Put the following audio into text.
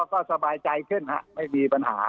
ก็สบายใจขึ้นไม่มีปัญหา